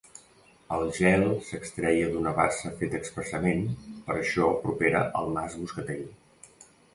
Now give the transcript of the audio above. El gel s'extreia d'una bassa feta expressament per això propera al Mas Buscastell.